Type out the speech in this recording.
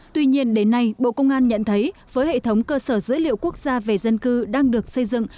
tuy nhiên đến nay bộ công an nhận thấy với hệ thống cơ sở dữ liệu quốc gia về dân cư đang được xây dựng